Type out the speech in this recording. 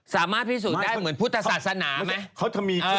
สามารถพิสูจน์ได้เหมือนพุทธศาสนาไหม